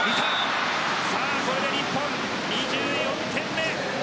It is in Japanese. これで日本、２４点目。